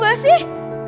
iya juga sih